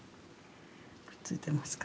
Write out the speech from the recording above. くっついてますか？